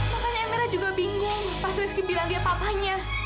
makanya amira juga bingung pas rizky bilang dia papahnya